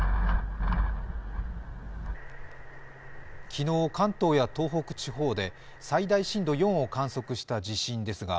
昨日、関東や東北地方で最大震度４を観測した地震ですが、